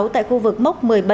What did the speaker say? tại khu vực móc một mươi bảy